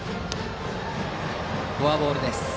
フォアボールです。